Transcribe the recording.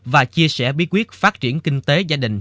và chia sẻ bí quyết phát triển kinh tế gia đình